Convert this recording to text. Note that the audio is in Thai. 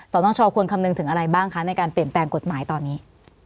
สนชควรคำนึงถึงอะไรบ้างคะในการเปลี่ยนแปลงกฎหมายตอนนี้